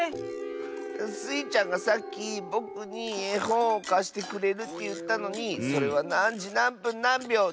スイちゃんがさっきぼくにえほんをかしてくれるっていったのに「それはなんじなんぷんなんびょう？